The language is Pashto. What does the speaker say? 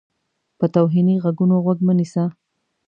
په توهیني غږونو غوږ مه نیسه.